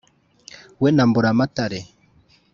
We na Mburamatare;